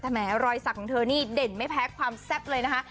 แม้รอยสักของเธอนี่เด่นไม่แพ้ความแซ่บเลยนะคะ